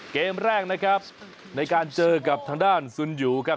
เกมแรกนะครับในการเจอกับทางด้านสุนยูครับ